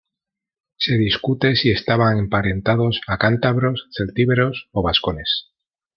Se discute si estaban emparentados a cántabros, celtíberos o vascones.